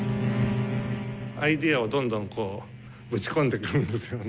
アイデアをどんどんこうぶち込んでくるんですよね。